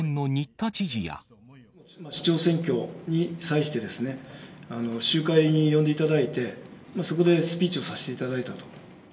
市長選挙に際して、集会に呼んでいただいて、そこでスピーチをさせていただいたと。